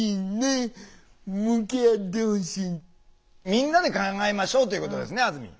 みんなで考えましょうということですねあずみん。